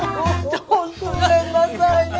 ごめんなさいね